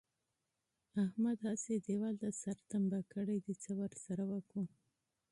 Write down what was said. احمد هسې دېوال ته سر ټنبه کړی دی؛ څه ور سره وکړو؟!